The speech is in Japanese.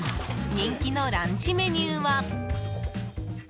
人気のランチメニューは。